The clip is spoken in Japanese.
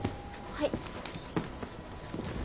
はい。